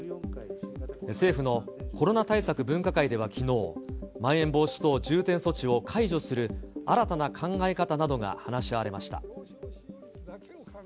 政府のコロナ対策分科会ではきのう、まん延防止等重点措置を解除する新たな考え方などが話し合われました。